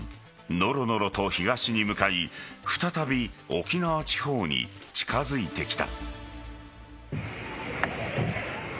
のろのろと東に向かい再び、沖縄地方に近づいてきた。